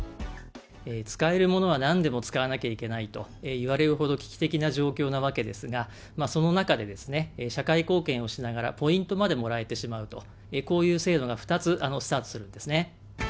使えるものはなんでも使わなきゃいけないといわれるほど、危機的な状況なわけですが、その中で社会貢献をしながら、ポイントまでもらえてしまうと、こういう制度が２つスタートするんですね。